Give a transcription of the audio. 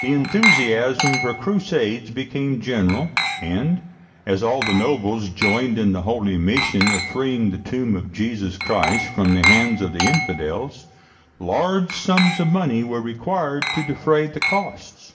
the enthusiasm for Crusades became general, and, as all the nobles joined in the holy mission of freeing the tomb of Jesus Christ from the hands of the infidels, large sums of money were required to defray the costs.